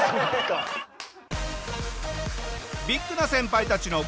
ビッグな先輩たちの激